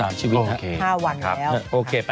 ๕วันแล้วโอเคไปก่อนครับสวัสดีครับสวัสดีครับผม